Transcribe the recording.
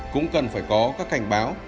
cũng cần phải có các cảnh báo